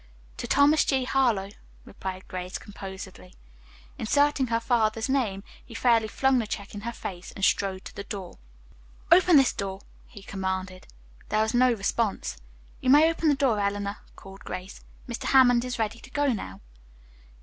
"To Thomas G. Harlowe," replied Grace composedly. Inserting her father's name, he fairly flung the check in her face, and strode to the door. "Open this door," he commanded. There was no response. "You may open the door, Eleanor," called Grace. "Mr. Hammond is ready to go now."